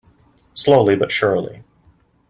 Slowly but surely.